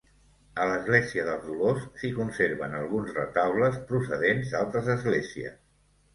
A l'església dels Dolors, s'hi conserven alguns retaules procedents d'altres esglésies.